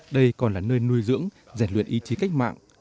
đây còn là nơi nuôi dưỡng giải luyện ý chí cách mạng